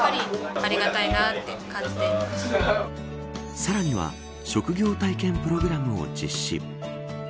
さらには職業体験プログラムを実施。